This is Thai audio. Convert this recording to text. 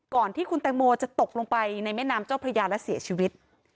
ก่อนที่คุณแตงโมจะตกลงไปในแม่น้ำเจ้าพระยาและเสียชีวิต